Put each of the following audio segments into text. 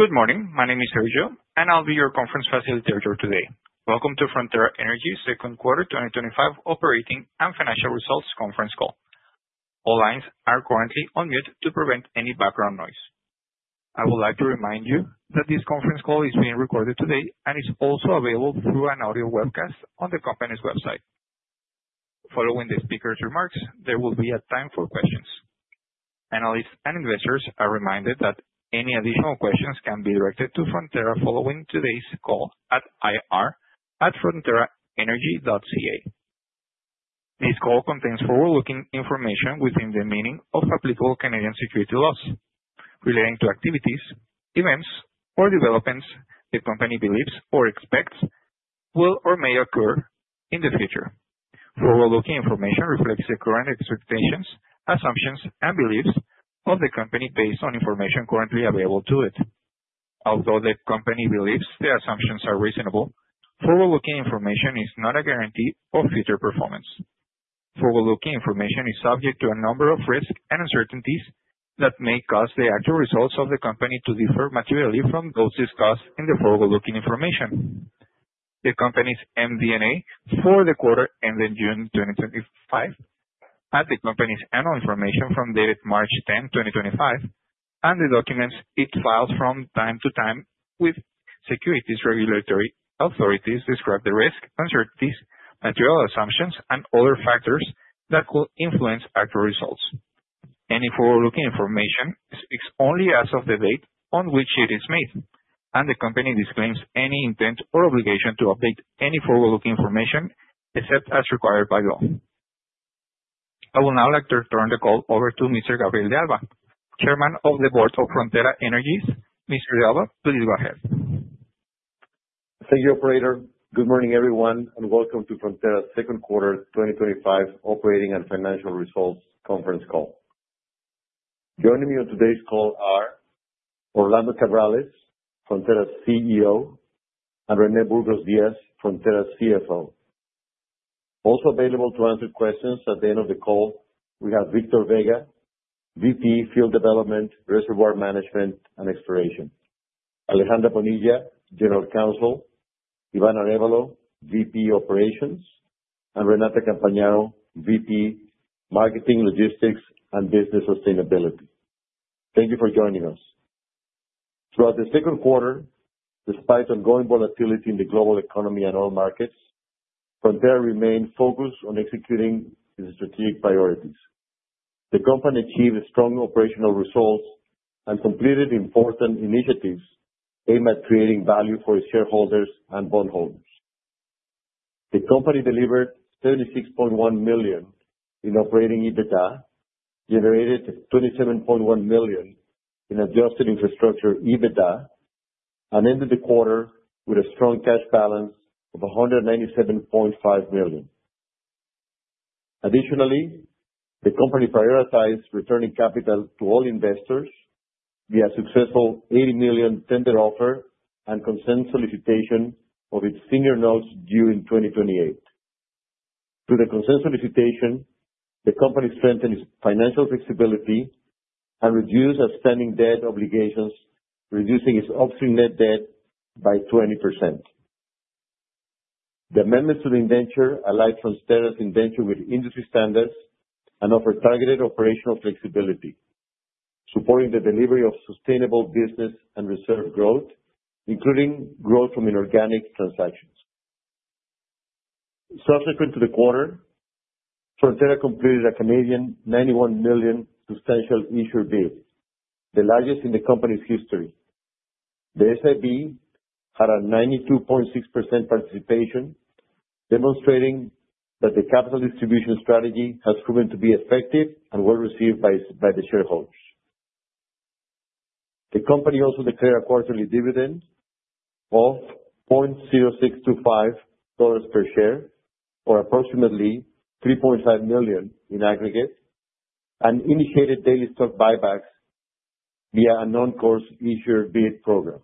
Good morning. My name is Sergio, and I'll be your conference facilitator today. Welcome to Frontera Energy's Second quarter 2025 operating and financial results conference call. All lines are currently on mute to prevent any background noise. I would like to remind you that this conference call is being recorded today and is also available through an audio webcast on the company's website. Following the speaker's remarks, there will be a time for questions. Analysts and investors are reminded that any additional questions can be directed to Frontera following today's call at ir@fronteraenergy.ca. This call contains forward-looking information within the meaning of applicable Canadian security laws relating to activities, events, or developments the company believes or expects will or may occur in the future. Forward-looking information reflects the current expectations, assumptions, and beliefs of the company based on information currently available to it. Although the company believes the assumptions are reasonable, forward-looking information is not a guarantee of future performance. Forward-looking information is subject to a number of risks and uncertainties that may cause the actual results of the company to differ materially from those discussed in the forward-looking information. The company's MD&A for the quarter ending June 2025, the company's annual information form dated March 10, 2025, and the documents it files from time to time with securities regulatory authorities describe the risks, uncertainties, material assumptions, and other factors that will influence actual results. Any forward-looking information speaks only as of the date on which it is made, and the company disclaims any intent or obligation to update any forward-looking information except as required by law. I would now like to turn the call over to Mr. Gabriel de Alba, Chairman of the Board of Frontera Energy. Mr.de Alba, please go ahead. Thank you, operator. Good morning, everyone, and welcome to Frontera's Second Quarter 2025 Operating and Financial Results Conference Call. Joining me on today's call are Orlando Cabrales, Frontera's CEO, and René Burgos Díaz, Frontera's CFO. Also available to answer questions at the end of the call, we have Víctor Vega, VP Field Development, Reservoir Management and Exploration; Alejandra Bonilla, General Counsel; Iván Arévalo, VP Operations; and Renata Campagnaro, VP Marketing, Logistics, and Business Sustainability. Thank you for joining us. Throughout the second quarter, despite ongoing volatility in the global economy and oil markets, Frontera remained focused on executing its strategic priorities. The company achieved strong operational results and completed important initiatives aimed at creating value for its shareholders and bondholders. The company delivered $36.1 million in operating EBITDA, generated $27.1 million in adjusted infrastructure EBITDA, and ended the quarter with a strong cash balance of $197.5 million. Additionally, the company prioritized returning capital to all investors via a successful $80 million tender offer and consent solicitation of its senior loans due in 2028. Through the consent solicitation, the company strengthened its financial flexibility and reduced outstanding debt obligations, reducing its upstream net debt by 20%. The amendments to the indenture align Frontera's indenture with industry standards and offer targeted operational flexibility, supporting the delivery of sustainable business and reserve growth, including growth from inorganic transactions. Subsequent to the quarter, Frontera completed a 91 million substantial issuer bid, the largest in the company's history. The SIB had a 92.6% participation, demonstrating that the capital distribution strategy has proven to be effective and well received by the shareholders. The company also declared a quarterly dividend of $0.0625 per share, or approximately $3.5 million in aggregate, and initiated daily stock buybacks via a normal course issuer bid program.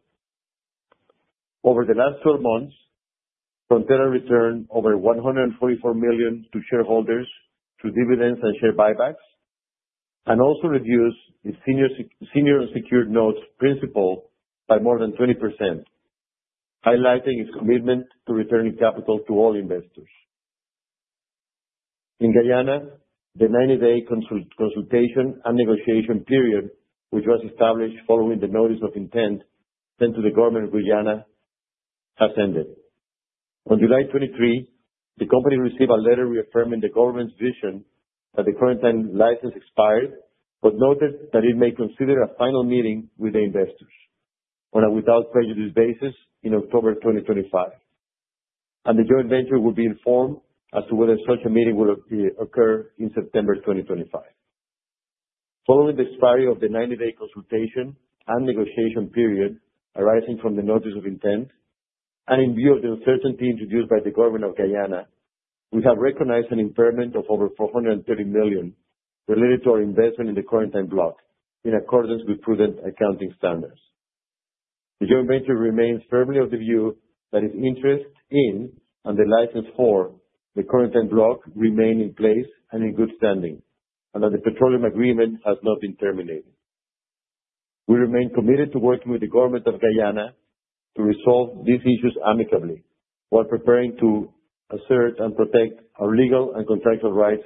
Over the last 12 months, Frontera returned over $144 million to shareholders through dividends and share buybacks, and also reduced its senior secured notes' principal by more than 20%, highlighting its commitment to returning capital to all investors. In Guyana, the 90-day consultation and negotiation period, which was established following the notice of intent sent to the government of Guyana, has ended. On July 23, the company received a letter reaffirming the government's vision that the current time license expired, but noted that it may consider a final meeting with the investors on a without-prejudice basis in October 2025, and the joint venture will be informed as to whether such a meeting will occur in September 2025. Following the expiry of the 90-day consultation and negotiation period arising from the notice of intent, and in view of the uncertainty introduced by the government of Guyana, we have recognized an impairment of over $430 million related to our investment in the current time block in accordance with prudent accounting standards. The joint venture remains firmly of the view that its interest in and the license for the current time block remain in place and in good standing, and that the petroleum agreement has not been terminated. We remain committed to working with the government of Guyana to resolve these issues amicably while preparing to assert and protect our legal and contractual rights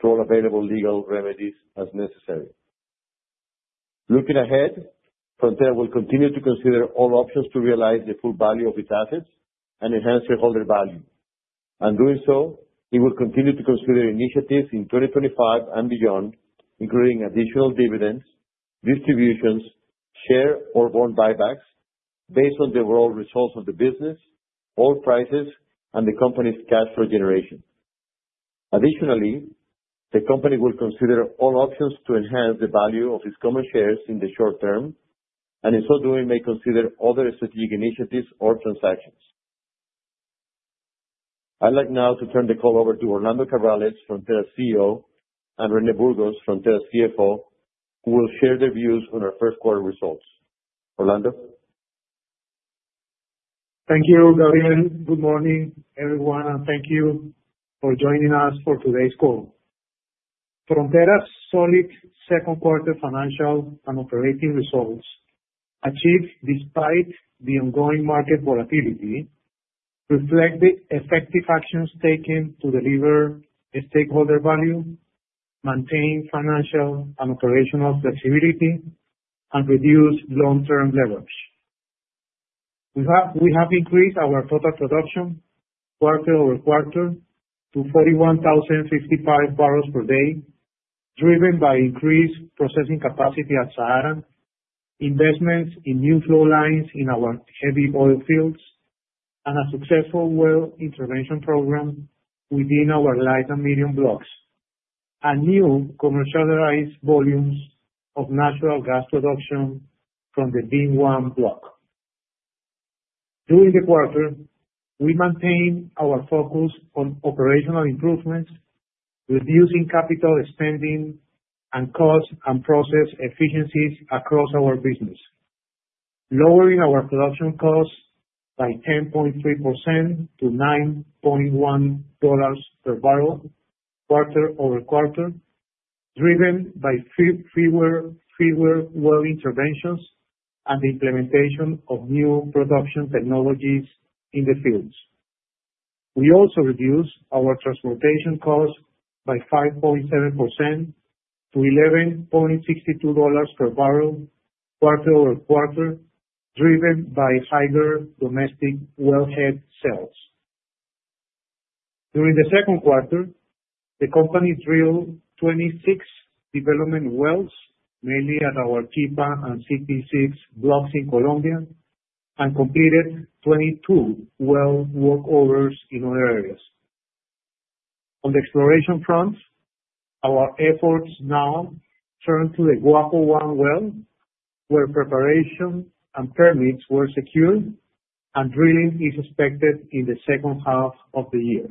through all available legal remedies as necessary. Looking ahead, Frontera will continue to consider all options to realize the full value of its assets and enhance shareholder value. In doing so, it will continue to consider initiatives in 2025 and beyond, including additional dividends, distributions, share, or bond buybacks based on the overall results of the business, oil prices, and the company's cash flow generation. Additionally, the company will consider all options to enhance the value of its common shares in the short term, and in so doing, may consider other strategic initiatives or transactions. I'd like now to turn the call over to Orlando Cabrales, Frontera's CEO, and René Burgos, Frontera`'s CFO, who will share their views on our first quarter results. Orlando? Thank you, Gabriel. Good morning, everyone, and thank you for joining us for today's call. Frontera's solid second quarter financial and operating results, achieved despite the ongoing market volatility, reflect the effective actions taken to deliver stakeholder value, maintain financial and operational flexibility, and reduce long-term leverage. We have increased our total production quarter over quarter to 41,055 bbl per day, driven by increased processing capacity at Sahara, investments in new flow lines in our heavy oil fields, a successful well intervention program within our lighter medium blocks, and new commercialized volumes of natural gas production from the VIM-1 block. During the quarter, we maintained our focus on operational improvements, reducing capital spending and cost and process efficiencies across our business, lowering our production costs by 10.3% to $9.1 per barrel quarter-over-quarter, driven by freeware well interventions and the implementation of new production technologies in the fields. We also reduced our transportation costs by 5.7% to $11.62 per bbl quarter-over-quarter, driven by fiber domestic wellhead sales. During the second quarter, the company drilled 26 development wells, mainly at our Quifa and CPE-6 blocks in Colombia, and completed 22 well workovers in other areas. On the exploration front, our efforts now turn to the Guapo-1 well, where preparation and permits were secured, and drilling is expected in the second half of the year.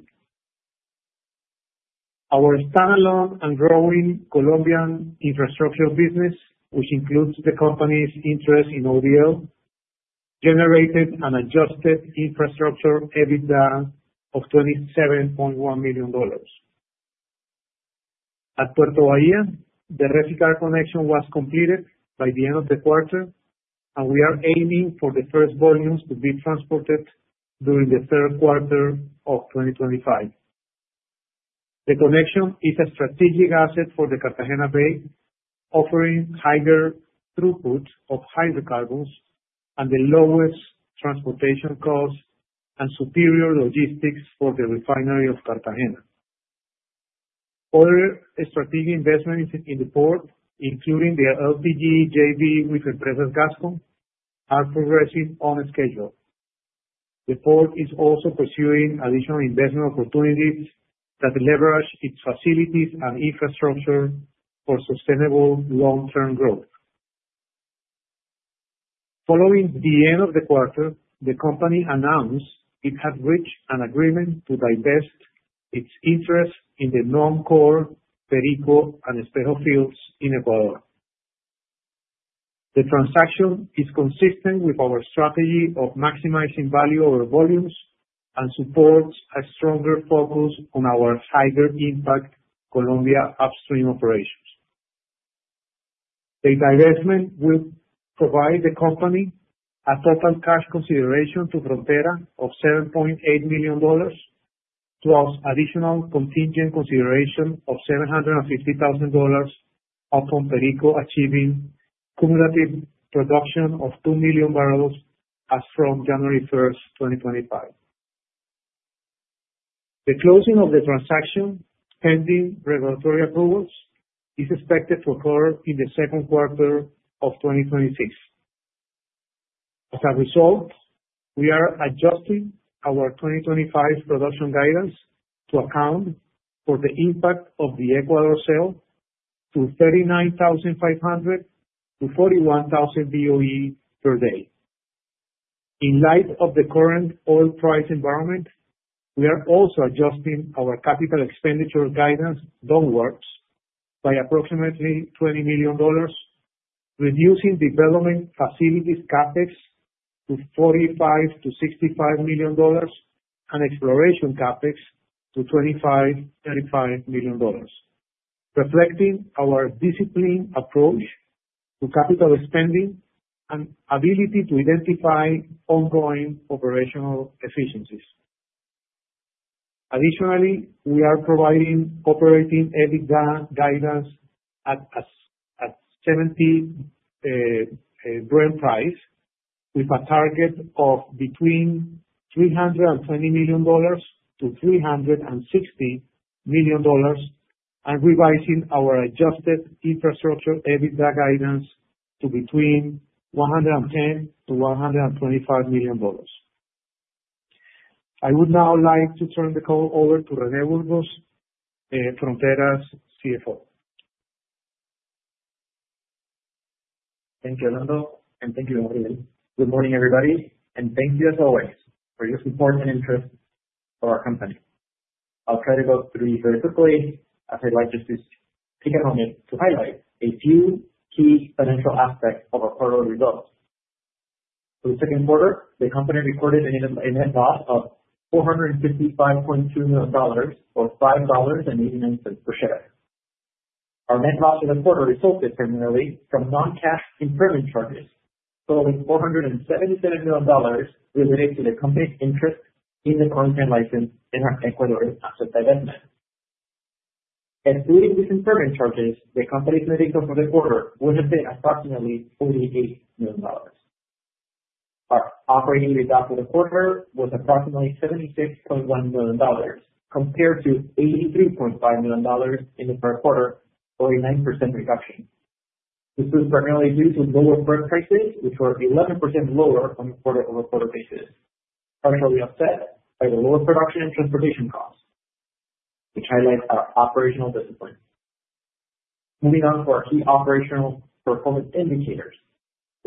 Our standalone and growing Colombian infrastructure business, which includes the company's interest in ODL, generated an adjusted infrastructure EBITDA of $27.1 million. At Puerto Bahia, the Reficar connection was completed by the end of the quarter, and we are aiming for the first volumes to be transported during the third quarter of 2025. The connection is a strategic asset for the Cartagena Bay, offering higher throughput of hydrocarbons and the lowest transportation costs and superior logistics for the refinery of Cartagena. Other strategic investments in the port, including the LPG JV with the present Gasco, are progressing on a schedule. The port is also pursuing additional investment opportunities that leverage its facilities and infrastructure for sustainable long-term growth. Following the end of the quarter, the company announced it had reached an agreement to divest its interest in the non-core Perico and Espejo fields in Ecuador. The transaction is consistent with our strategy of maximizing value over volumes and supports a stronger focus on our higher-impact Colombia upstream operations. The divestment will provide the company a total cash consideration to Frontera of $7.8 million, plus additional contingent consideration of $750,000 upon Perico achieving cumulative production of 2 million bbl as from January 1st, 2025. The closing of the transaction, pending regulatory approvals, is expected for hire in the second quarter of 2026. As a result, we are adjusting our 2025 production guidance to account for the impact of the Ecuador sale to 39,500 to 41,000 BOE per day. In light of the current oil price environment, we are also adjusting our capital expenditure guidance, downward, by approximately $20 million, reducing development facilities CapEx to $45 million-$65 million, and exploration CapEx to $25 million-$35 million, reflecting our disciplined approach to capital spending and ability to identify ongoing operational efficiencies. Additionally, we are providing operating EBITDA guidance at a $70 Brent price with a target of between $320 million-$360 million, and revising our adjusted infrastructure EBITDA guidance to between $110 million-$125 million. I would now like to turn the call over to René Burgos, Frontera's CFO. Thank you, Orlando, and thank you, Gabriel. Good morning, everybody, and thank you as always for your support and interest for our company. I'll try to go through these very quickly as I'd like to just take a moment to highlight a few key financial aspects of our quarterly results. For the second quarter, the company reported a net loss of $455.2 million or $5.89 per share. Our net loss in the quarter resulted primarily from non-cash impairment charges, totaling $477 million related to the company's interest in the content license in our Ecuadorian asset divestment. Including these impairment charges, the company's net income for this quarter would have been approximately $48 million. Our operating EBITDA for the quarter was approximately $76.1 million compared to $83.5 million in the first quarter, a 49% reduction. This was primarily due to lower work prices, which were 11% lower on the quarter-over-quarter basis, primarily offset by the lower production and transportation costs, which highlights our operational discipline. Moving on to our key operational performance indicators,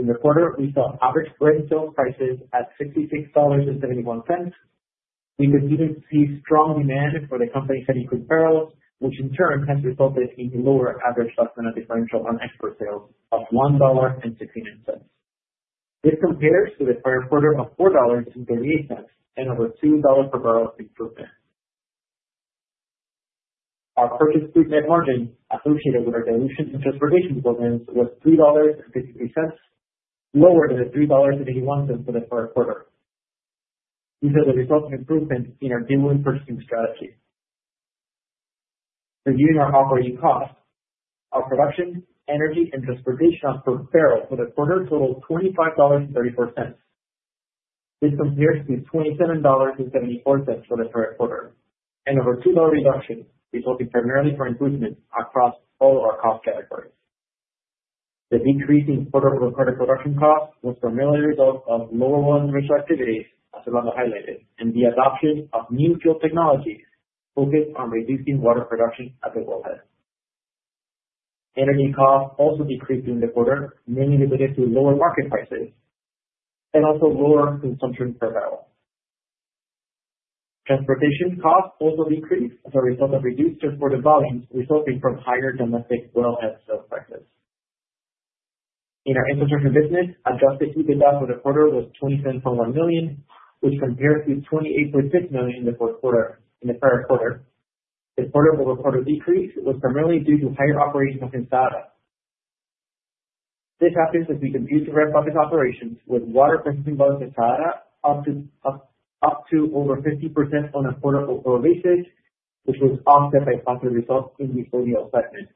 in the quarter, we saw average Brent sale prices at $66.71. We continue to see strong demand for the company's heavy crudes, which in turn has resulted in a lower average documented differential on export sale of $1.69. This compares to the prior quarter of $4.38 and over $2 per bbl improvement. Our current excluded net margin associated with our dilution and transportation deployment was $3.53, lower than the $3.81 for the prior quarter. This is a resultant improvement in our diluent purchasing strategy. Reviewing our operating costs, our production, energy, and transportation per barrel for the quarter totaled $25.34. This compares to $27.74 for the prior quarter, and over $2 reduction resulting primarily from improvement across all our cost categories. The increase in quarter-over-quarter production costs was primarily a result of lower volume resource activities, as Orlando highlighted, and the adoption of new field technologies focused on reducing water production at the wellhead. Energy costs also decreased during the quarter, mainly related to lower market prices and also lower consumption per barrel. Transportation costs also decreased as a result of reduced transported volumes resulting from higher domestic wellhead sales prices. In our infrastructure business, our adjusted infrastructure EBITDA for the quarter was $20.1 million, which compared to $28.6 million in the first quarter. In the prior quarter, the quarter-over-quarter decrease was primarily due to higher operations in Sahara. This happens as we continue to rev market operations with water purchasing volumes in Sahara up to over 50% on a quarter-over-quarter basis, which was offset by costs that result in the earlier assessment.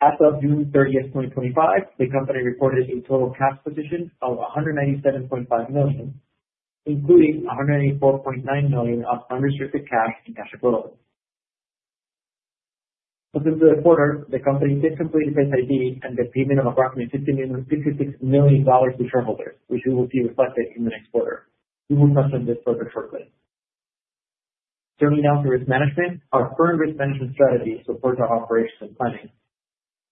As of June 30th, 2025, the company reported a total cash position of $197.5 million, including $184.9 million of unrestricted cash to cash flows. Compared to the quarter, the company did complete a vendor deal and the payment of approximately $56 million to shareholders, which we will see reflected in the next quarter. We will not have this quarter shortlisted. Turning now to risk management, our current risk management strategy supports our operations and planning.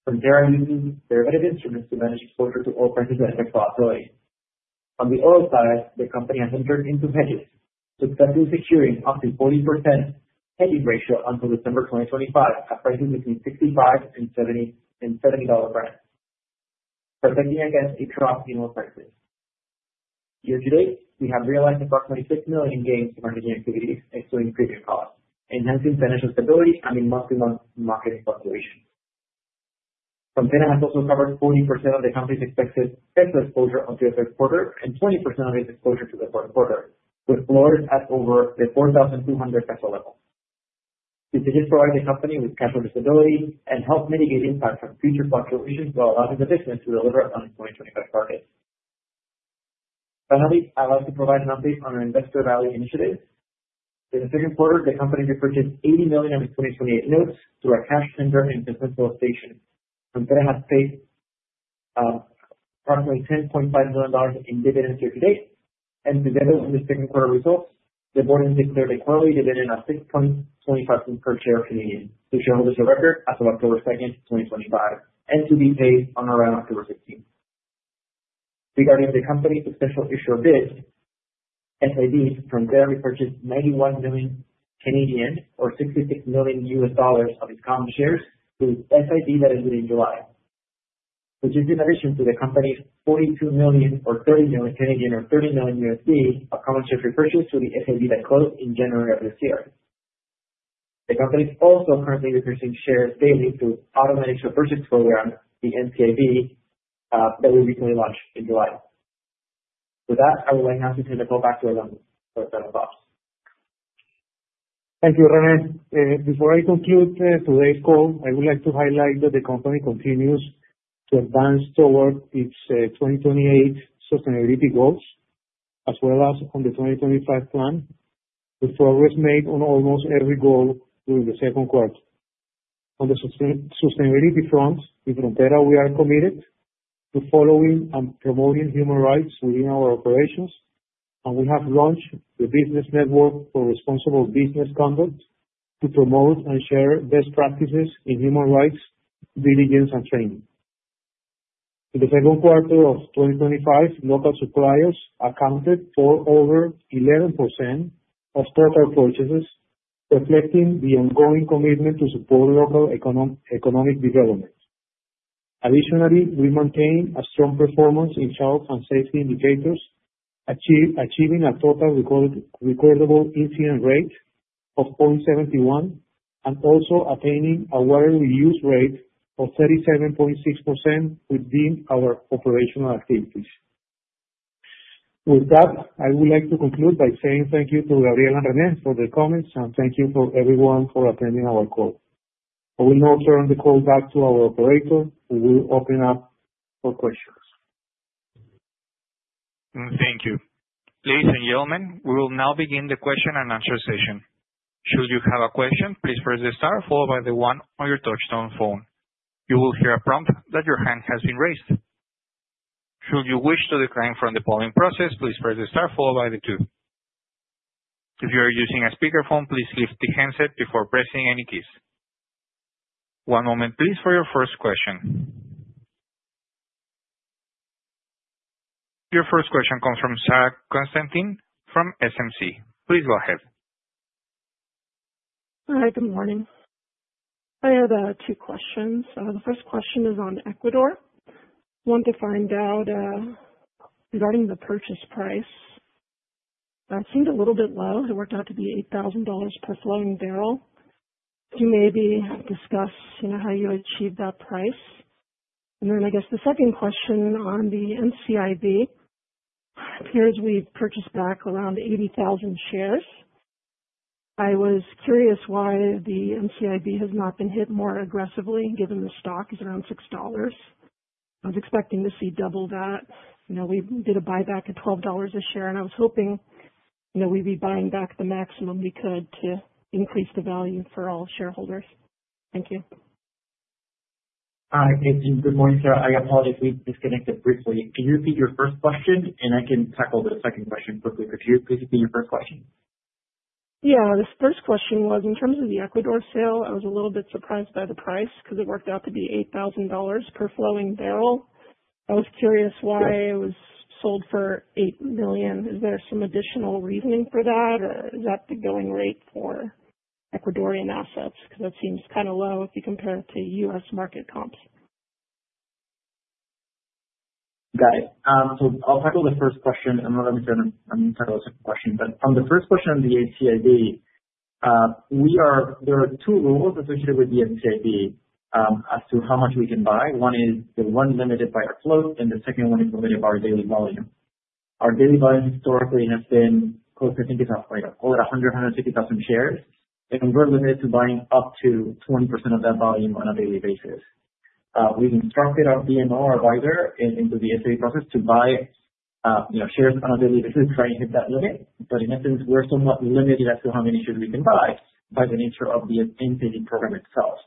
From there, I'm using derivative instruments to manage exposure to oil prices that can cause noise. On the oil side, the company has entered into hedging with penalties issuing up to 40% hedging ratio until December 2025, at prices between $65 and $70 Brent, protecting against a trough in oil prices. Year to date, we have realized approximately $6 million in gain from hedging activities, excluding previous costs, enhancing financial stability and enhancing non-marketing fluctuations. Frontera has also covered 14% of the company's expected export exposure onto the first quarter and 20% of its exposure to the quarter quarter, with floors at over the 4,200 capital level. This provides the company with capital stability and helps mitigate impacts on future fluctuations while allowing the business to deliver on its 2025 targets. Finally, I'd like to provide an update on our investor value initiatives. In the second quarter, the company repurchased $80 million on its 2028 senior secured notes through our cash and revenue business localization. Frontera Energy has paid approximately $10.5 million in dividends year to date, and the dividend in the second quarter result, the board indicated a quarterly dividend of 6.25% per share Canadian to shareholders on record as of October 2nd, 2025, and to be paid on or around October 16th. Regarding the company's substantial issuer bid, SIB, Frontera repurchased 91 million or $66 million of its common shares through its SIB that is due in July, which is in addition to the company's 42 million or $30 million of common shares repurchased through the SIB that closed in January of this year. The company is also currently repurchasing shares daily through its automatic repurchase program, the NCIB, that we recently launched in July. With that, I would like now to turn the call back to Orlando Cabrales. Thank you, René. Before I conclude today's call, I would like to highlight that the company continues to advance toward its 2028 sustainability goals, as well as on the 2025 plan, with progress made on almost every goal during the second quarter. On the sustainability front, in Frontera, we are committed to following and promoting human rights within our operations, and we have launched the business network for responsible business conduct to promote and share best practices in human rights, diligence, and training. In the second quarter of 2025, local suppliers accounted for over 11% of total purchases, reflecting the ongoing commitment to support local economic development. Additionally, we maintain a strong performance in health and safety indicators, achieving a total recordable incident rate of 0.71 and also attaining a water reuse rate of 37.6% within our operational activities. With that, I would like to conclude by saying thank you to Gabriel and René for their comments, and thank you to everyone for attending our call. I will now turn the call back to our operator, who will open it up for questions. Thank you. Ladies and gentlemen, we will now begin the question and answer session. Should you have a question, please press the star followed by the one on your touch-tone phone. You will hear a prompt that your hand has been raised. Should you wish to decline from the polling process, please press the star followed by the two. If you are using a speakerphone, please lift the headset before pressing any keys. One moment, please, for your first question. Your first question comes from Sara Konstantine from SMC. Please go ahead. All right. Good morning. I have two questions. The first question is on Ecuador. I want to find out regarding the purchase price. That seemed a little bit low. It worked out to be $8,000 per flowing bbl. Could you maybe discuss how you achieved that price? I guess the second question on the NCIB, it appears we purchased back around 80,000 shares. I was curious why the NCIB has not been hit more aggressively, given the stock is around $6. I was expecting to see double that. You know, we did a buyback at $12 a share, and I was hoping we'd be buying back the maximum we could to increase the value for all shareholders. Thank you. All right. Good morning, Sara. I apologize. We disconnected briefly. Can you repeat your first question? I can tackle the second question quickly because here's basically your first question. Yeah. This first question was, in terms of the Ecuador sale, I was a little bit surprised by the price because it worked out to be $8,000 per flowing bbl. I was curious why it was sold for $8 million. Is there some additional reasoning for that, or is that the going rate for Ecuadorian assets? Because that seems kind of low if you compare it to U.S. market comp. Got it. I'll tackle the first question, and then let me turn and tackle the second question. On the first question on the NCIB, there are two rules associated with the NCIB as to how much we can buy. One is the one limited by a flow, and the second one is limited by our daily volume. Our daily volume historically has been close, I think, it's at 100,000, 150,000 shares, and we're limited to buying up to 20% of that volume on a daily basis. We've instructed our BMO, our advisor, into the SIB process to buy shares on a daily basis if I hit that limit. In essence, we're somewhat limited as to how many shares we can buy by the nature of the NCIB program itself.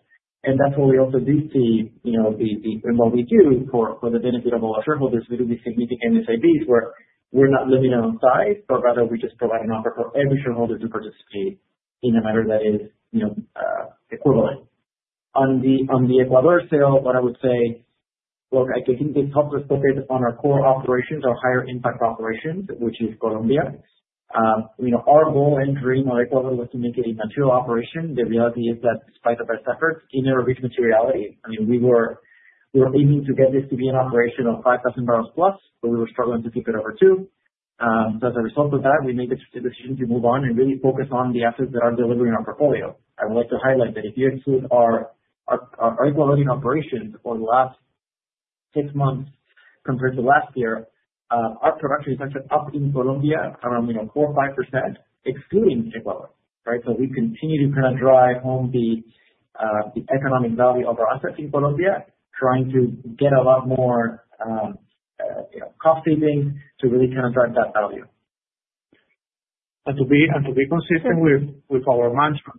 That's why we also do see the thing that we do for the benefit of all our shareholders is we do these significant SIBs where we're not limiting our own size, but rather we just provide an offer for every shareholder to participate in a matter that is, you know, equivalent. On the Ecuador sale, what I would say, I think it's helpful to focus on our core operations, our higher-impact operations, which is Colombia. Our goal and dream of Ecuador was to make it a material operation. The reality is that despite the best efforts in our reach materiality, I mean, we were aiming to get this to be an operation of 5,000 bbl+, but we were struggling to keep it over two. As a result of that, we made the decision to move on and really focus on the assets that are delivering our portfolio. I would like to highlight that if you include our Ecuadorian operations over the last six months compared to last year, our production is actually up in Colombia around, you know, 4% or 5%, excluding the Ecuador. Right? We continue to kind of drive home the economic value of our assets in Colombia, trying to get a lot more cost savings to really kind of drive that value. To be consistent with our mantra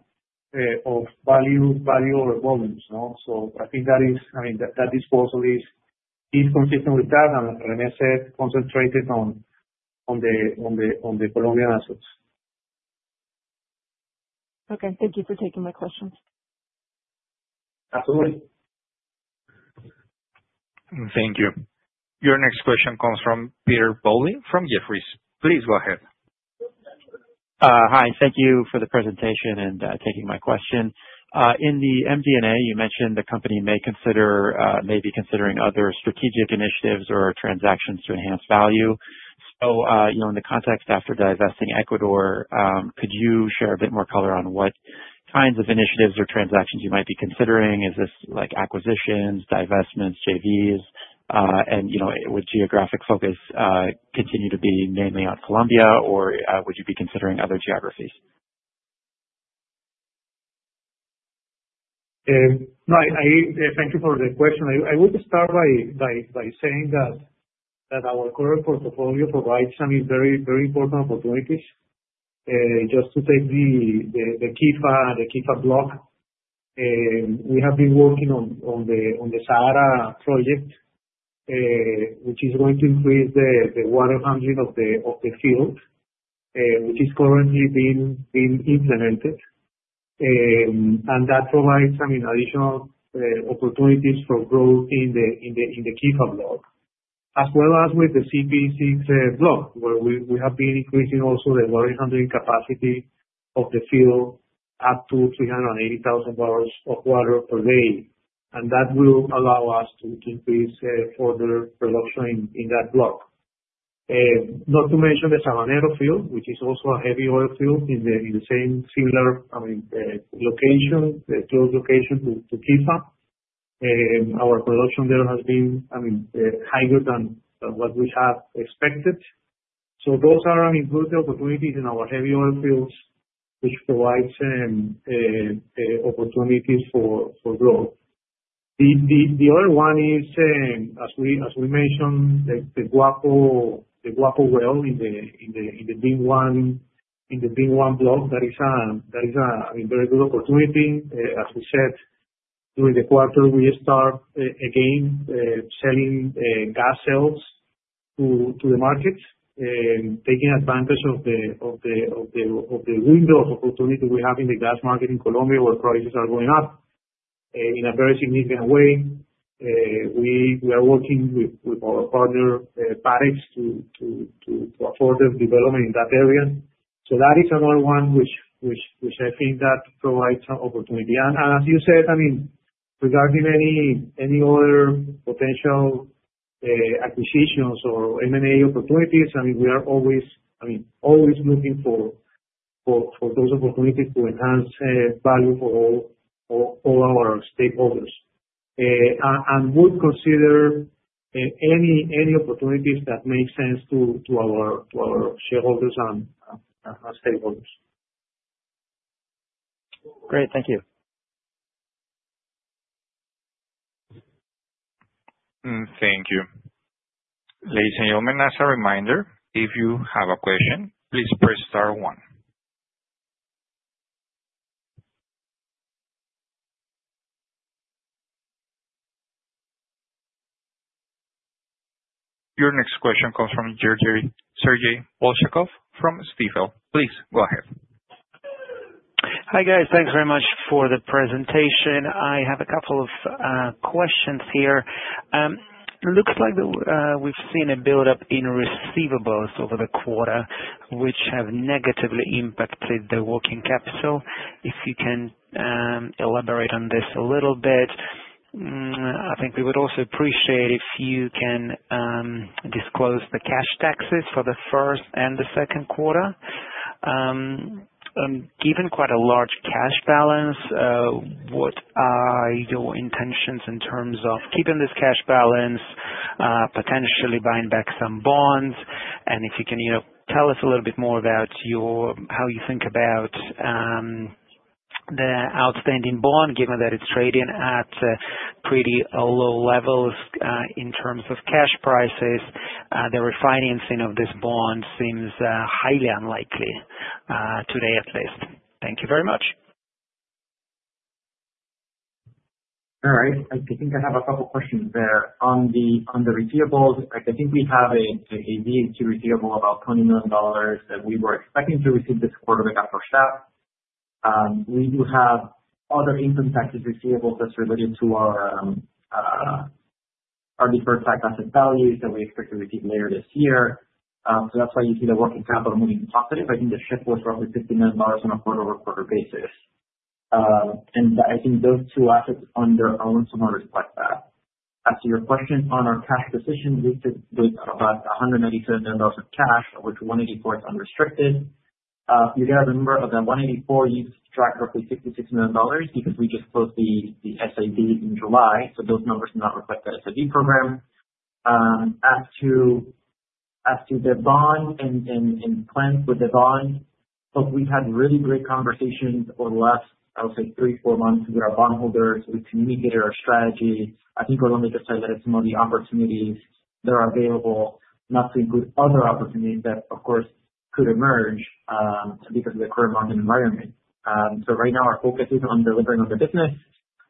of value over volumes, I think that is, I mean, that disposal is consistent with that, and as René said, concentrated on the Colombian assets. Okay, thank you for taking my questions. Absolutely. Thank you. Your next question comes from Peter Bowley from Jefferies. Please go ahead. Hi. Thank you for the presentation and taking my question. In the MD&A, you mentioned the company may be considering other strategic initiatives or transactions to enhance value. In the context after divesting Ecuador, could you share a bit more color on what kinds of initiatives or transactions you might be considering? Is this like acquisitions, divestments, JVs? Would geographic focus continue to be mainly on Colombia, or would you be considering other geographies? Right. Thank you for the question. I would start by saying that our current portfolio provides some very, very important opportunities. Just to take the Quifa block, we have been working on the Sahara project, which is going to increase the water handling of the field, which is currently being implemented. That provides some additional opportunities for growth in the Quifa block, as well as with the CPE-6 block, where we have been increasing also the water handling capacity of the field up to 380,000 bbl of water per day. That will allow us to increase further production in that block. Not to mention the Sabanero field, which is also a heavy oil field in a similar, I mean, location, the close location to Quifa. Our production there has been higher than what we have expected. Those are good opportunities in our heavy oil fields, which provides opportunities for growth. The other one is, as we mentioned, the Guapo well in the VIM-1 block. That is a very good opportunity. As we said, during the quarter, we start again selling gas sales to the markets and taking advantage of the window of opportunity we have in the gas market in Colombia, where prices are going up in a very significant way. We are working with our partner, Parex, to further development in that area. That is another one which I think provides some opportunity. As you said, regarding any other potential acquisitions or M&A opportunities, we are always looking for those opportunities to enhance value for all our stakeholders and would consider any opportunities that make sense to our shareholders and stakeholders. Great. Thank you. Thank you. Ladies and gentlemen, as a reminder, if you have a question, please press star one. Your next question comes from Sergey Bolshakov from Stifel. Please go ahead. Hi, guys. Thanks very much for the presentation. I have a couple of questions here. It looks like we've seen a build-up in receivables over the quarter, which have negatively impacted the working capital. If you can elaborate on this a little bit, I think we would also appreciate it if you can disclose the cash taxes for the first and the second quarter. Given quite a large cash balance, what are your intentions in terms of keeping this cash balance, potentially buying back some bonds? If you can tell us a little bit more about how you think about the outstanding bond, given that it's trading at pretty low levels in terms of cash prices, the refinancing of this bond seems highly unlikely today, at least. Thank you very much. All right. I think I have a couple of questions there. On the receivables, I think we have a VAT receivable of about $20 million that we were expecting to receive this quarter without our staff. We do have other income taxes receivables that's related to our deferred tax asset values that we expect to receive later this year. That's why you see the working capital moving positive. I think the checkbooks are only $50 million on a quarter-over-quarter basis. I think those two assets on their own somewhat reflect that. As to your question on our cash position, we have about $197 million of cash, of which $184 million is unrestricted. You're going to remember, on the $184 million, you've tracked roughly $66 million because we just closed the SIB in July. Those numbers do not reflect that SIB program. As to the bond and plans for the bond, we've had really great conversations over the last, I'll say, three, four months with our bondholders. We've communicated our strategy. I think we're going to decide that it's some of the opportunities that are available, not to include other opportunities that, of course, could emerge because of the current market environment. Right now, our focus is on delivering on the business.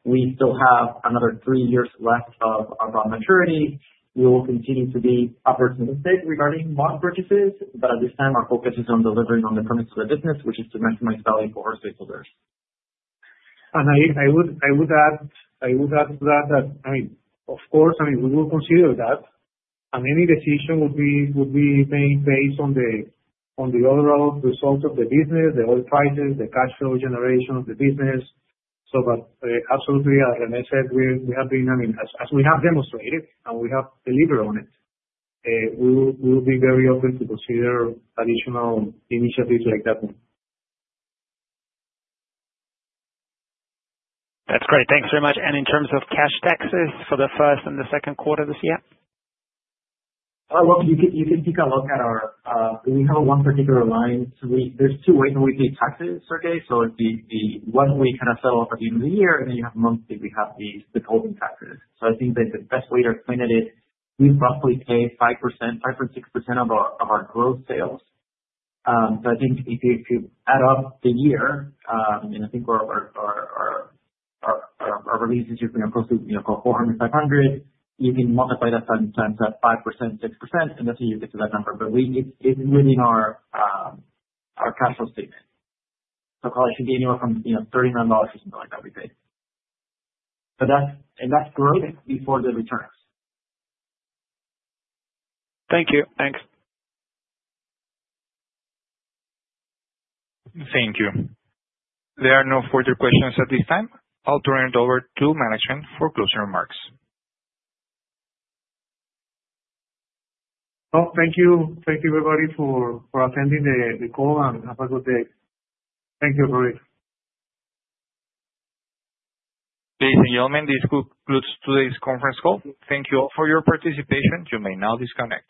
We still have another three years left of our bond maturities. We will continue to be operational updates regarding bond purchases, but at this time, our focus is on delivering on the promise of the business, which is to maximize value for our stakeholders. I would add to that that, of course, we will consider that. Any decision would be made based on the overall results of the business, the oil prices, the cash flow generation of the business. Absolutely, as René said, we have been, as we have demonstrated and we have delivered on it, we will be very open to consider additional initiatives like that one. That's great. Thank you very much. In terms of cash taxes for the first and the second quarter this year? You can take a look at our, we have one particular line. There are two ways that we pay taxes, Sergey. The one, we kind of sell opportunity in the year, and then you have monthly, we have the withholding taxes. I think that the best way to explain it is we roughly pay 5.6% of our gross sales. If you add up the year, and I think our release is approximately $400 million, $500 million, you can multiply that times that 5%, 6%, and that's how you get to that number. It's within our cash flow statement. I think anywhere from $39 million or something like that we pay. That's gross before the returns. Thank you. Thanks. Thank you. There are no further questions at this time. I'll turn it over to management for closing remarks. Thank you, everybody, for attending the call and have a good day. Thank you, everybody. Ladies and gentlemen, this concludes today's conference call. Thank you all for your participation. You may now disconnect.